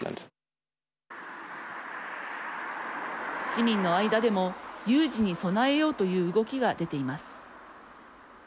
市民の間でも有事に備えようという動きが出ています。